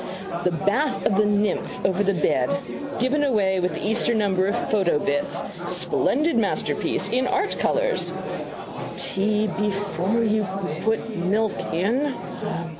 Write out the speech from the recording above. The Bath of the Nymph over the bed. Given away with the Easter number of Photo Bits: Splendid masterpiece in art colours. Tea before you put milk in.